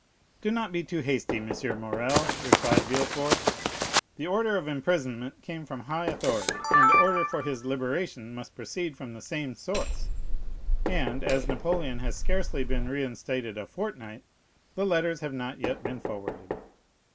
"Do not be too hasty, M. Morrel," replied Villefort. "The order of imprisonment came from high authority, and the order for his liberation must proceed from the same source; and, as Napoleon has scarcely been reinstated a fortnight, the letters have not yet been forwarded."